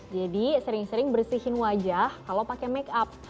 sering sering bersihin wajah kalau pakai make up